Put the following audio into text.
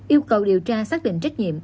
yêu cầu điều tra xác định trách nhiệm